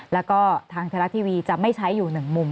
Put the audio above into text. แล้วก็ทางไทยรัฐทีวีจะไม่ใช้อยู่หนึ่งมุม